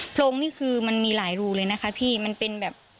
โรงนี่คือมันมีหลายรูเลยนะคะพี่มันเป็นแบบ